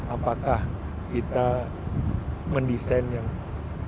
apakah kita mendesain yang